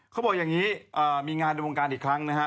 เขาบอกอย่างนี้มีงานในวงการอีกครั้งนะฮะ